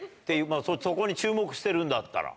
そこに注目してるんだったら。